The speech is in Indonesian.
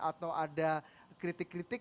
atau ada kritik kritik